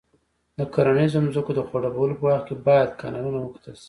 د کرنیزو ځمکو د خړوبولو په وخت کې باید کانالونه وکتل شي.